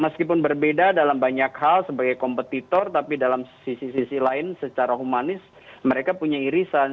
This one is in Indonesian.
meskipun berbeda dalam banyak hal sebagai kompetitor tapi dalam sisi sisi lain secara humanis mereka punya irisan